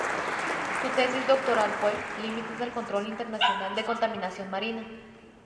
Su tesis doctoral fue "Límites al control internacional de contaminación marina".